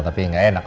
tapi gak enak